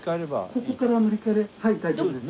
ここから乗り換えではい大丈夫です。